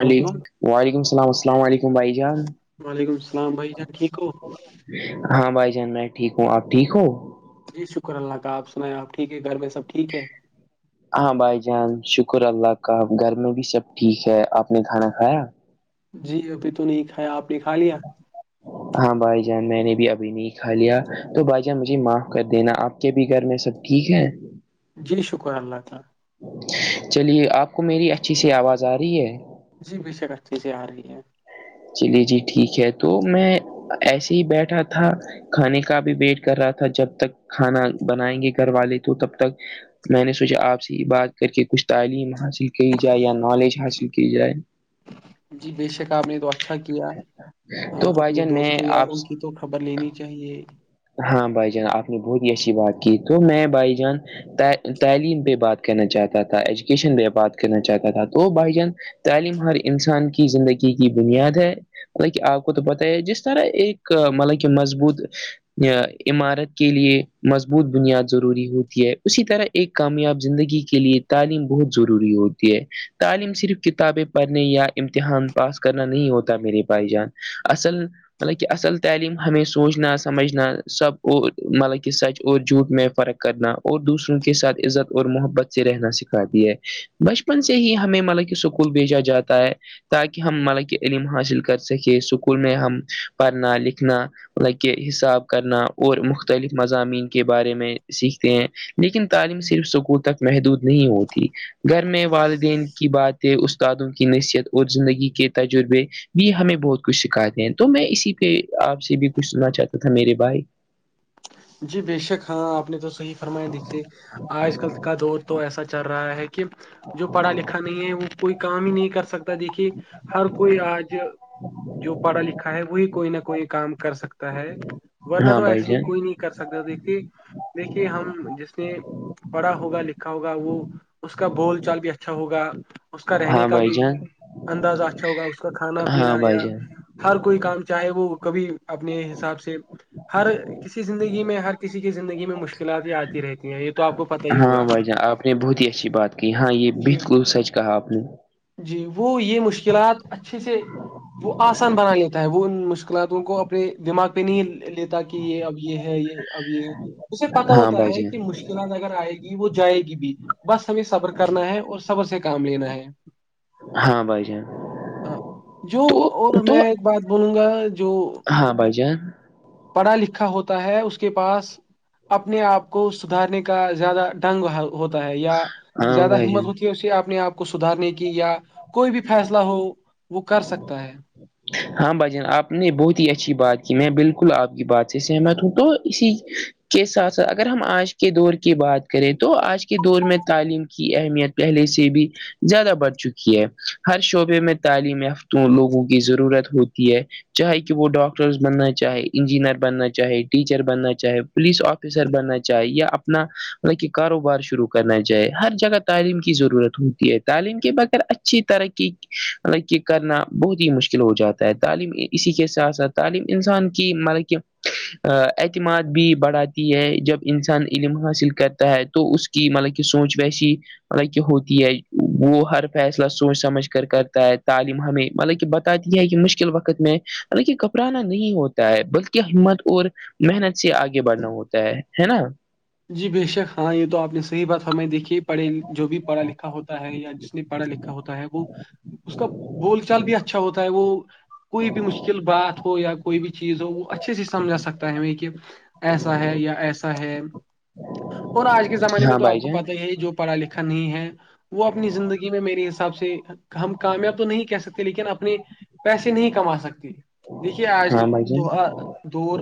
السلام علیکم وعلیکم السلام السلام علیکم بھائی جان وعلیکم السلام بھائی جان ٹھیک ہو ہاں بھائی جان میں ٹھیک ہوں آپ ٹھیک ہو جی شکر اللہ کا آپ سنایں آ ٹیک ہے گھر میں سب ٹھیک ہے ہاں بھائی جان شکر اللہ کا گھر میں بھی سب ٹھیک ہے آپ نے کھانا کھایا جی ابھی تو نہیں کھایا آپ نے کھا لیا ہاں بھائی جان میں نے بھی ابھی نہیں کھا لیا تو بھائی جان مجھے معاف کر دینا آپ کے بھی گھر میں سب ٹھیک ہے جی شکر اللہ تعالی چلیے آپ کو میری اچھی سی آواز آ رہی ہے جی بے شکت چیزیں آ رہی ہے [unintelligible] چلیے جی ٹھیک ہے تو میں ایسے ہی بیٹھا تھا کھانے کا بھی ویٹ کر رہا تھا جب تک کھانا بنائیں گے گھر والے تو تب تک میں نے سوچا آپ سے ہی بات کر کے کچھ تعلیم حاصل کی جائے یا نالج حاصل کی جائے جی بے شک آپ نے تو اچھا کیا تو بھائی اپنے جان میں دوستوں یار آپ ان کی تو خبر لینی چاہیے ہاں بھائی جان آپ نے بہت ہی اچھی بات کی تو میں بھائی جان تعلیم پہ بات کرنا چاہتا تھا ایجوکیشن پہ بات کرنا چاہتا تھا تو بھائی جان تعلیم ہر انسان کی زندگی کی بنیاد ہے مطلب کہ آپ کو تو پتہ ہے جس طرح ایک مطلب کہ مضبوط عمارت کے لیے مضبوط بنیاد ضروری ہوتی ہے اسی طرح ایک کامیاب زندگی کے لیے تعلیم بہت ضروری ہوتی ہے تعلیم صرف کتابیں پڑھنے یا امتحان پاس کرنا نہیں ہوتا میرے بھائی جان اصل مطلب کہ اصل تعلیم ہمیں سوچنا سمجھنا سب اور مطلب کہ سچ اور جھوٹ میں فرق کرنا اور دوسروں کے ساتھ عزت اور محبت سے رہنا سکھاتی ہے بچپن سے ہی ہمیں مطلب کہ اسکول بھیجا جاتا ہے تاکہ ہم مالا کی علم حاصل کر سکیں اسکول میں ہم پڑھنا لکھنا ل کہ حساب کرنا اور مختلف مضامین کے بارے میں سیکھتے ہیں لیکن تعلیم صرف سکول تک محدود نہیں ہوتی گھر میں والدین کی باتیں استادوں کی نصیحت اور زندگی کے تجربے بھی ہمیں بہت کچھ سکھاتے ہیں تو میں اسی پہ آپ سے بھی کچھ سنا چاہتا تھا میرے بھائی جی بے شک ہاں آپ نے تو صحیح فرمائے دکھتے آج کل کا دور تو ایسا چل رہا ہے کہ جو پڑھا لکھا نہیں ہے وہ کوئی کام ہی نہیں کر سکتا دیکھیے ہر کوئی آج جو پڑھا لکھا ہے وہی کوئی نہ کوئی کام کر سکتا ہے ورنہ ہاں تو بھائی ایسے جان کوئی نہیں کر سکتے ہو دیکھیے دیکھیے ہم جس نے پڑھا ہوگا لکھا ہوگا وہ اس کا بول چال بھی اچھا ہوگا اس کا رہنے ہاں کا بھائی بھی جان اندازہ اچھا ہوگا اس کا کھانا ہاں پینا بھائی یا جان ہر کوئی کام چاہے وہ کبھی اپنے حساب سے ہر کسی کی زندگی میں ہر کسی کی زندگی میں مشکلات یہ آتی رہتی ہیں یہ تو آپ کو پتہ ہی ہاں ہوگا بھائی جان آپ نے بہت ہی اچھی بات کی ہاں یہ جی بالکل سچ کہا آپ نے جی وہ یہ مشکلات اچھے سے وہ آسان بنا لیتا ہے وہ ان مشکل اکلااتوں کو اپنے دماغ پہ نہیں لیتا کہ یہ اب یہ ہے یہ ابھی اسے پتا ہاں ہوتا بھائی ہے جان کہ مشکلات اگر آئے گی وہ جائے گی بھی بس ہمیں صبر کر کرنا ہے اور سبر سے کام لینا ہے ہاں بھائی جان ہاں جو تو اور تو میں ایک بات بولوں گا جو ہاں بھ جان پڑھا لکھا ہوتا ہے اس کے پاس اپنے آپ کو سدھارنے کا زیادہ ڈنگ ہوتا ہے یا ہاں زیادہ بھائی ہمت جان ہوتی اسے اپنے آپ کو سدھارنے کی یا کوئی بھی فیصلہ ہو وہ کر سکتا ہے ہاں بھجن آپ نے بہت ہی اچھی بات کی میں بالکل آپ کی بات سے سہمت ہوں تو اسی کے ساتھ ساتھ اگر ہم آج کے دور کی بات کریں تو آج کے دور میں تعلیم کی اہمیت پہلے سے بھی زیادہ بڑھ چکی ہے ہر شعبے میں تعلیم یافتوں لوگوں کو کی ضرورت ہوتی ہے چاہے کہ وہ ڈاکٹرس بننا چاہے انجینئر بننا چاہے ٹیچر بننا چاہے پولیس آفیسر بننا چاہے یا اپنا مطل کہ کاروبار شروع کرنا چاہے ہر جگہ تعلیم کی ضرورت ہوتی ہے تعلیم کے بغیر اچھی طرقی کرنا بہت مشکل ہو جاتا ہے تعلیم اسی کے ساتھ ساتھ تعلیم انسان کی مطلب کہ اعتماد بھی بڑھاتی ہے جب انسان علم حاصل کرتا ہے تو اس کہ مطلب کہ سوچ ویسی مطلب کہ ہوتی ہے وہ ہر فیصلہ سوچ سمجھ کر کرتا ہے تعلیم ہمیں مطلب کہ بتاتی ہے کہ مشکل وقت میں مطلب کہ گھبرانا نہیں ہوتا ہے بلکہ ہمت اور محنت سے آگے بڑھنا ہوتا ہے ہے نا جی بےشک ہاں یہ تو آپ نے صح بات ہم دیکھی پڑے جو بھی پڑھا لکھا ہوتا ہے یا جس نے پڑھا لکھا ا ہوتا ہے وہ اس کا بول چال بھی اچھا ہوتا ہے وہ کوئی بھی مشکل بات ہو یا کوئی بھی چیز ہو وہ اچھے سے سمجھا سکتا ہے ہمیں کہ ایسا ہے یا ایسا ہے اور آج کے زمانے میں ہاں تو بھائی آپ کو جان پتا ہی ہے جو پڑھا لکھا نہیں ہے وہ اپنی زندگی میں میرے حساب سے ہم کامیاب تو نہیں کہہ سکتے لیکن اپنے پیسے نہیں کما سکتے دیکھیے آج ہاں بھائی جان تو دور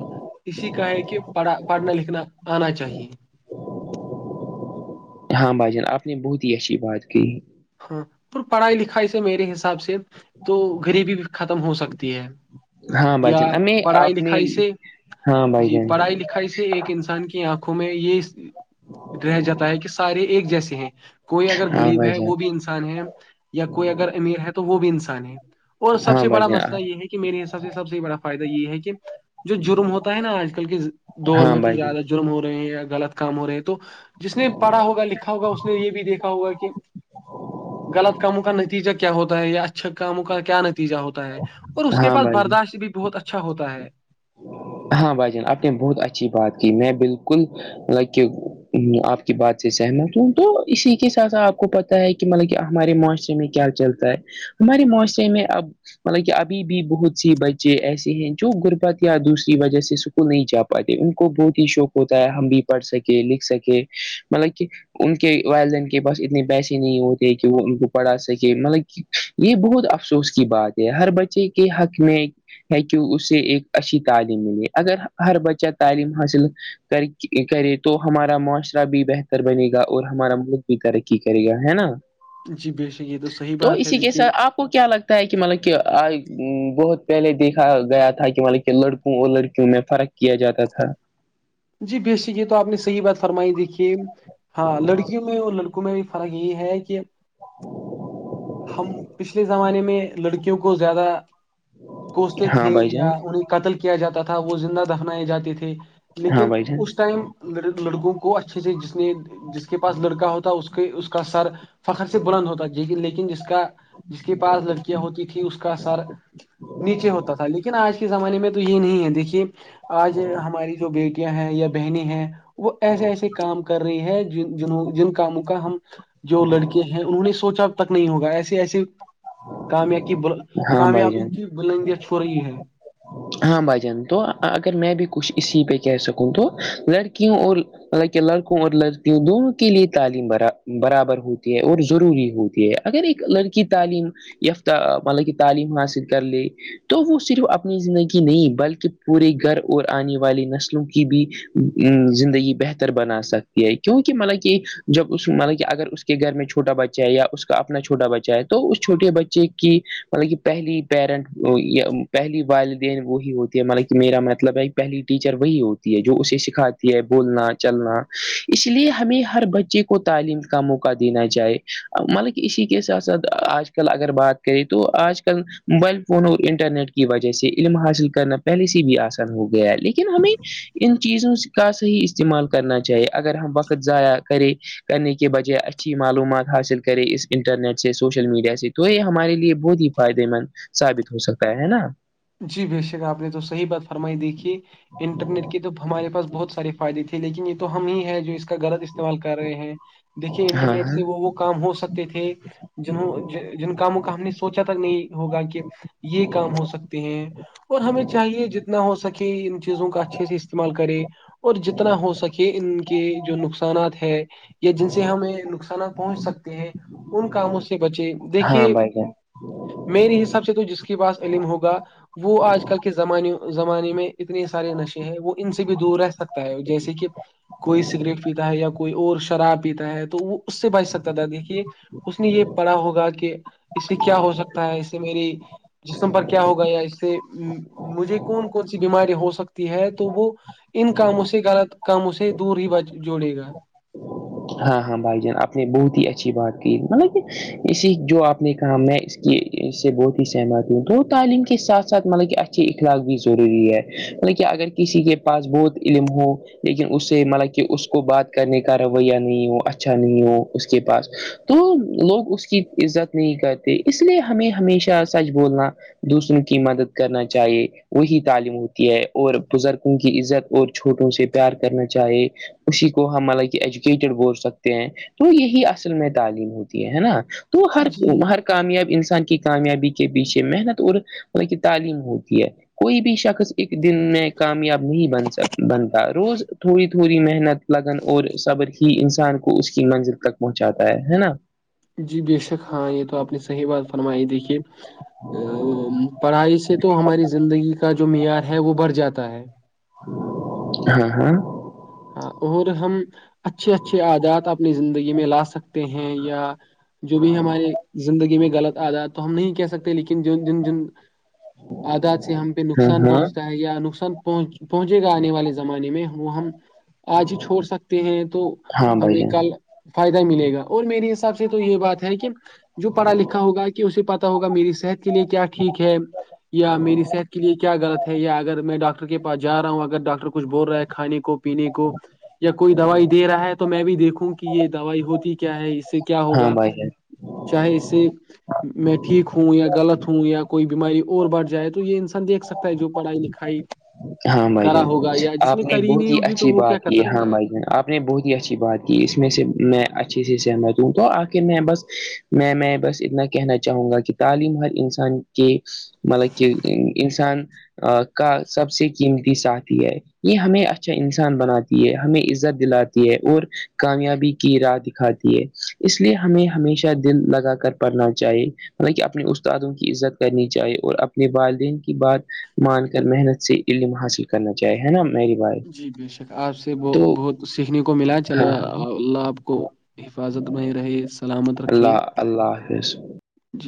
اسی کا ہے کہ پڑھا پڑھنا لکھنا آنا چاہیے ہاں بھائی جان آپ نے بہت ہی اچھی بات کی ہاں اور پڑھائی لکھائی سے میرے حساب سے تو غریبی بھی ختم ہو سکتی ہے ہاں بھائی یا جان ہمیں پڑھائی آپ نے لکھائی سے ہاں بھائی جی جان پڑھائی لکھائی سے ایک انسان کی آنکھوں میں یہ رہ جاتا ہے کہ سارے ایک جیسے ہیں کوئی اگر ہاں غریب بھائی ہے جان وہ بھی انسان ہے یا کوئی اگر امیر ہے تو وہ بھی انسان ہے اور سب ہاں سے بھائی بڑا جان مسئلہ یہ ہے کہ میرے حساب سے سب سے بڑا فائدہ یہ ہے کہ جو جرم ہوتا ہے نا آج کل کے دور ہاں میں تو بھائی جان زیادہ جرم ہو رہے ہیں یا غلط کام ہو رہے ہیں تو جس نے پڑھا ہوگا لکھا ہوگا اس نے یہ بھی دیکھا ہوگا کہ غلط کاموں کا نتیجہ کیا ہوتا ہے یا اچھا کاموں کا کیا نتیجہ ہوتا ہے اور اس کے ہاں پاس بھائی جان برداشت بھی بہت اچھا ہوتا ہے ہاں بھائی جان آپ نے بہت اچھی بات کی میں باطللب کہ آپ کی بات سے سہمت ہوں تو اسی کے ساتھ ساتھ آپ کو پتہ ہے کہ مطلب کہ ہمارے معاشرے میں کیا چلتا ہے ہمارے معاشرے میں اب مطلب کہ ابھی بھی بہت سی بچے ایسے ہیں جو غربت یا دوسری وجہ سے سکول نہیں جا پاتے ان کو بہت ہی شوق ہوتا ہے ہم بھی پڑھ سکے لکھ سکے مطلب کہ ان کے والدین کے پاس اتنے پیسے نہیں ہوتے کہ وہ ان کو پڑھا سکے مطلب کہ یہ بہت افسوس کی بات ہے ہر بچے کے حق میں ہے کہ اس سے ایک اچھی تعلیم ملیے اگر ہر بچہ تعلیم حاصل کر کرے تو ہمارا معاشرہ بھی بہتر بنے گا اور ہمارا ملک بھی ترقی کرے گا ہے نا جی بے شک یہ تو صحیح بات ہے اسی کے دیکھیے ساتھ اپ کو کیا لگتا ہے کہ مطلب کہ بہت پہلے دیکھ گیا تھا کہ مطلب کہ لڑکوں اور لڑکیوں میں فرق کیا جاتا تھا جی بے شک یہ تو آپ نے صحیح بات فرمائی دیکھی ہاں لڑکیوں میں اور لڑکوں میں بھی فرق یہ ہے کہ ہم پچھلے زمانے میں لڑکیوں کو کو زیادہ کوستے ہاں تھے بھائی یا جان انہیں قتل کیا جاتا تھا وہ زندہ دفنائیں جاتے تھے ہاں لیکن بھائی جان اس ٹائم لڑکوں کو اچھے سے جس نے جس کے پاس لڑکا ہوتا اس کے اس کا سر فخر سے بلند ہوتا لیکن جس کا جس کے پاس لڑکیاں ہوتی تھیں اس کا سر نیچے ہوتا تھا لیکن آج کے زمانے میں تو یہ نہیں ہے دیکھیے آج ہماری جو بیٹیاں ہیں یا بہنییں ہیں وہ ایسے ایسے کام کر رہی ہے جن جنوں جن کاموں کا ہم جو لڑکے ہیں انہوں نے سوچا تک نہیں ہوگا ایسے ایسے کامیا کی ہاں بھائی کامیابی جان کی بلندیاں چھو رہی ہے [inaudible] ہاں بھائی جان تو اگر میں بھی کچھ اسی پہ کہہ سکوں تو لڑکیوں اور حالانکہ لڑکوں اور لڑکیوں دونوں کے لیے تعلیم برابر ہوتی ہے اور ضروری ہوتی ہے اگر ایک لڑکی تعلیم یافتہ مطلب کہ تعلیم حاصل کر لے تو وہ صرف اپنی زندگی نہیں بلکہ پورے گھر اور آنے والی نسلوں کی بھی زندگی بہتر بنا سکتی ہے کیونکہ مطلب کہ جب اس مطلب کہ اگر اس کے گھر میں چھوٹا بچہ ہے یا اس کا اپنا چھوٹا بچہا ہے تو اس چھوٹے بچے کی مطلب کہ پہلی پیرنٹ پہلی والدین وہی ہوتی مطلب کہ میرا مطلب ہے پہلی ٹیچر وہی ہوتی ہے جو اسے سکھاتی ہے بولنا چلنا اس لیے ہمیں ہر بچے کو تعلیم کا موقع دینا چاہئے مطلب اسی کے ساتھ ساتھ آج کل اگر بات کریں تو آج کل موبائل فون اور انٹرنیٹ کی وجہ سے علم حاصل کرنا پہلے سے بھی آسان ہو گیا ہے لیکن ہمیں ان چیزوں کا صحیح استعمال کرنا چاہیے اگر ہم وقت وقت ضایع کرے کرنے کے بجائے اچھی معلومات حاصل کرے اس انٹرنیٹ سے سوشل میڈیا سے تو یہ ہمارے لیے بہت ہی فائدے مند ثابت ہو سکتا ہے ہے نا جی بے شک آپ نے تو صحیح بات فرمائی دییکھی انٹرنیٹ کے تو ہمارے پاس بہت سارے فائدے تھے لیکن یہ تو ہم ہی ہے جو اس کا غلط استعمال کر رہے ہیں دیکھیے ہاں انٹرنیٹ ہاں سے وہ وہ کام ہو سکتے تھے جنوں جن کاموں کا ہم نے سوچا تھاک نہیں ہوگا کہ یہ کام ہو سک ہیں اور ہمیں چاہیے جتنا ہو سکے ان چیزوں کا اچھے سے استعمال کرے اور جتنا ہو سکے ان کے جو نقصانات ہے یا جن سے ہمیں نقصانات پہنچ سکتے ہیں ان کاموں سے بچے ہاں دیکھیے بھائی جان میرے حساب سے تو جس کے پاس علم ہوگا وہ آج کل کے زمانے زمانے میں اتنے سارے نشے ہیں وہ ان سے بھی دور رہ سکتا ہے جیسے کہ کوئی سگریٹ پیتا ہے یا کوئی اور شراب پیتا ہے تو وہ اس سے بچ سکتا تھا دیکھیے اس نے یہ پڑھا ہوگا کہ اس سے کیا ہو سکتا ہے اس سے میری جسم پر کیا ہوگا یا اس سے مجھے کون کون سی بیماری ہو سکتی ہے تو وہ ان کاموں سے غلط کاموں سے دور ہی ب جوڑے گا ہاں ہاں بھائی جان آپ نے بہت ہی اچھی بات کی مطلب کہ اسی جو آپ نے کہا میں کہ اس سے بہت ہی سہمت ہو دو تعلیم کے ساتھ ساتھ مطلب کہ اچھے اخلاق بھی ضروری ہے مطلب کہ اگر کسی کے پاس بہت علم ہو لیکن اس سے مطلب کہ اس کو بات کرنے کا رو یا نہیں ہو اچھا نہیں ہو اس کے پاس تو لوگ اس کی عزت نہیں کرتے اس لیے ہمیں ہمیشہ سچ بولنا دوسروں کی مدد کرنا چاہیے وہی تعلیم ہوتی ہے اور بزرگوں کی عزت اور چھوٹوں سے پیار کرنا چاہے اسی کو ہملب سک ہیں تو یہ ا میں تعلیم ہوتیا تو ہ جی ہ کامیاب انسان کی کامیابی کے پیچھے محنت اور مطل کی تعلیم ہوتی ہے کوئی بھی شخص ایک دن میں کامیاب نہیں بن سک بنتا روز تھوڑی تھوڑی محنت لگن اور صبر ہی انسان کو اس کی منزل تک پہنچاتا ہے ہے نا جی بے شک ہاں یہ تو آپنی صحیح بات فرمائی دیکھیے پڑھائی سے تو ہماری زندگی کا جو معیار ہے وہ بڑھ جاتا ہے ہاں ہوں ہاں اور ہم اچھے اچھے عادات اپنی زندگی میں لا سکتے ہیں یا جو بھی ہماریے زندگی میں غلط آدا تو ہم نہیں کہہ سکتے لیکن جن جن جن آدات سے ہم پہ ہاں نقصان ہاں پہنچتا یا نقصان پہن پہنچے گا آنے والے زمانے میں وہ ہم آج ہی چھوڑ سکتے ہیں تو ہاں بھائی ہمیں جان کل فائدہ ملے گا اور میرے حساب سے تو یہ بات ہے کہ جو پڑھا لکھا ہوگا کہ اسے پتا ہوگا میری صحت کے لیے کیا ٹھیک ہے یا میری صحت کے لیے کیا غط ہے یا اگر میں ڈاکٹر کے پا جا رہا ہوں اگر ڈاکٹر کچھ بول رہا ہے کھانے کو پینے کو یا کوئی دوائی دے رہا ہے تو میں بھی دیکھوں کہ یہ دوائی ہوتی کیا ہے اس سے کیا ہاں ہوگا بھائی جان چاہے اسے میں ٹھیک ہوں یا غط ہوں یا کوئی بیماری اور بڑھ جائے تو یہ انسان دیکھ سکتا ہے جو پڑھائی لکھائی ہاں بھائی کرا جان ہوگا یا جس آپ نے کری بہت نہیں ہی ہوگی تو اچھی وہ کیا بات کر یہ ہماں سکتا ہے بائی جن آپ نے بہت ہی اچھی بات کی اس میں سے میں اچھے سے سہمت ہوں تو آخر میں بس میں میں بس اتنا کہنا چاہوں گا کہ تعلیم ہر انسان کے مطلب کہ کسان کا سب سے قیمتی ساتھی ہے یہ ہمیں اچھا انسان بناتی ہے ہمیں عزت دلاتی اور کامیابی کی راہ دکھاتی ہے اس لیے ہمیں ہمیشہ دل لگا کر پڑھنا چاہیے مط کہ اپنے استادوں کی عزت کرنی چاہیے اور اپنے والدین بات مان کر محنت سے علم حاصل کرنا چاہے ہے نا میری بھائی جی بے شک آپ سے تو بہت سیکھنے کو ملا چ ہاں اللہ آپ کو [unintelligible] حفاظت میں رہے سلامت رکھے اللہ اللہ حافظ جی